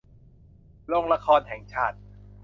โรงละครแห่งชาติ